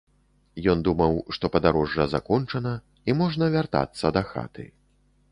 Ён думаў, што падарожжа закончана, і можна вяртацца дахаты.